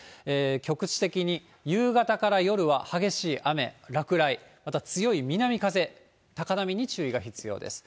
局地的に夕方から夜は激しい雨、落雷、また強い南風、高波に注意が必要です。